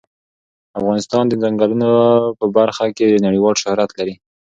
افغانستان د ځنګلونه په برخه کې نړیوال شهرت لري.